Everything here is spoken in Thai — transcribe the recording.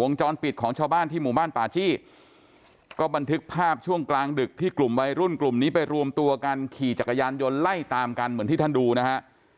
วงจรปิดของชาวบ้านที่หมู่บ้านป่าจี้ก็บันทึกภาพช่วงกลางดึกที่กลุ่มวัยรุ่นกลุ่มนี้ไปรวมตัวกันขี่จักรยานยนต์ไล่ตามกันเหมือนที่ท่านดูนะฮะ